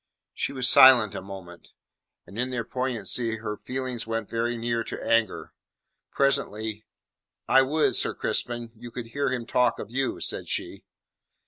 She was silent a moment, and in their poignancy her feelings went very near to anger. Presently: "I would, Sir Crispin, you could hear him talk of you," said she.